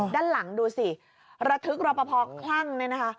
ด้านหลังดูสิระทึกรบพพอร์ข้างนี้นะคะ